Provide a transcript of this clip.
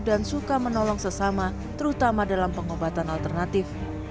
suka menolong sesama terutama dalam pengobatan alternatif